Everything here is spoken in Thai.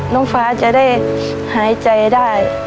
น้องฟ้าจะได้หายใจได้